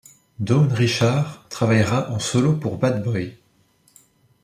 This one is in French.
Dawn Richard travaillera en solo pour Bad Boy.